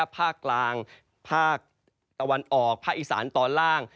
ภาคกลางภาคตะวันออกภาคอีสานตอนล่าง